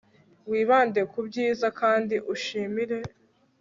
wibande ku byiza kandi ushimire